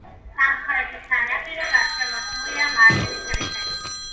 სამხრეთით სანაპირო გარშემორტყმულია მარჯნის რიფებით.